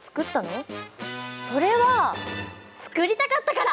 それは作りたかったから！